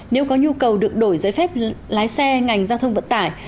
nếu có nhu cầu được đổi giấy phép lái xe ngành giao thông vận tải